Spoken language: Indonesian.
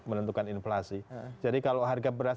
menentukan inflasi jadi kalau harga beras